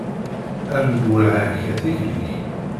Err lwelha-k ar tikli-k.